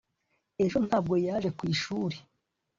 ejo ntabwo yaje ku ishuri